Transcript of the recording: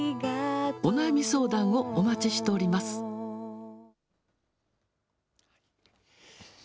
お悩み相談をお待ちしております。